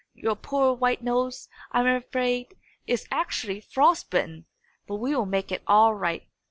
Your poor white nose, I am afraid, is actually frost bitten. But we will make it all right.